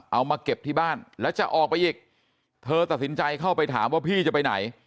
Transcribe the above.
เอามาเก็บที่บ้านแล้วจะออกไปอีกเธอตัดสินใจเข้าไปถามว่าพี่จะไปไหน